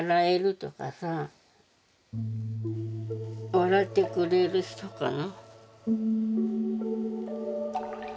笑ってくれる人かな。